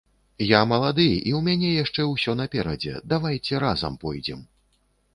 Я малады, і ў мяне яшчэ ўсё наперадзе, давайце разам пойдзем.